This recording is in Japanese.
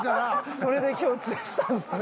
それで共通したんすね。